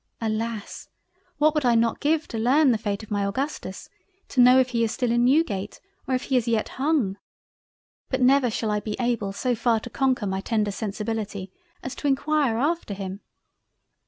Alas, what would I not give to learn the fate of my Augustus! to know if he is still in Newgate, or if he is yet hung. But never shall I be able so far to conquer my tender sensibility as to enquire after him.